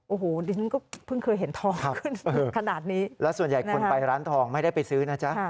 โอ้โหดิฉันก็เพิ่งเคยเห็นทองขนาดนี้แล้วส่วนใหญ่คนไปร้านทองไม่ได้ไปซื้อนะจ๊ะ